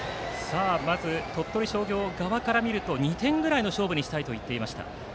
鳥取商業側から見ると２点ぐらいの勝負にしたいと言っていました。